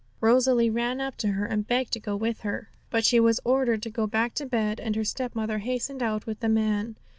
Rosalie ran up to her and begged to go with her, but she was ordered to go back to bed, and her stepmother hastened out with the man.